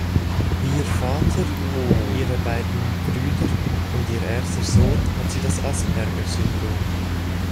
Wie ihr Vater, ihre beiden Brüder und ihr erster Sohn hat sie das Asperger-Syndrom.